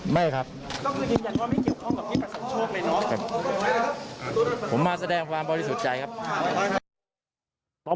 มันเกี่ยวข้องกับพี่พี่พี่คิม